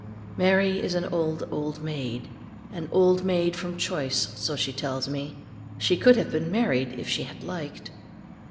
Mary is an old, old maid, an old maid from choice so she tells me, she could have been married if she had liked.